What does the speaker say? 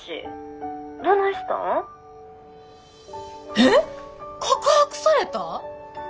えっ告白された！？